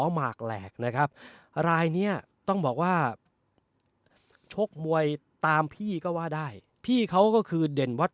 หมากแหลกนะครับรายนี้ต้องบอกว่าชกมวยตามพี่ก็ว่าได้พี่เขาก็คือเด่นวัด